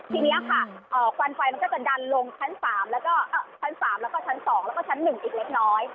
ทีนี้ค่ะควันไฟมันก็จะดันลงชั้น๓แล้วก็ชั้น๓แล้วก็ชั้น๒แล้วก็ชั้น๑อีกเล็กน้อย